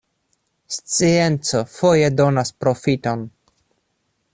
Scienco foje donas proﬁton.